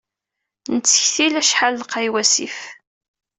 Nettektil acḥal lqay wasif.